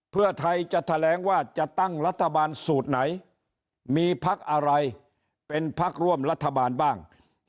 เพื่อไทยจะแถลงว่าจะตั้งรัฐบาลสูตรไหนมีพักอะไรเป็นพักร่วมรัฐบาลบ้าง